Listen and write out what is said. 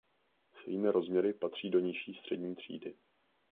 Svými rozměry patří do nižší střední třídy.